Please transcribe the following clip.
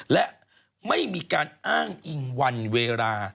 และไม่มีการอ้างอิงวันเวลา